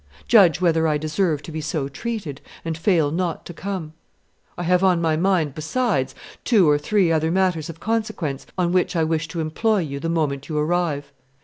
Judge whether I deserve to be so treated, and fail not to come. I have on my mind, besides, two or three other matters of consequence on which I wish to employ you the moment you arrive.